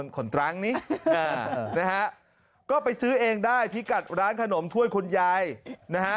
ขนตรังนี้นะฮะก็ไปซื้อเองได้พิกัดร้านขนมถ้วยคุณยายนะฮะ